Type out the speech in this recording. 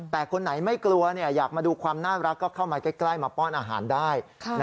แต่คนไหนไม่กลัวอยากมาดูความน่ารักก็เข้ามาใกล้มาป้อนอาหารได้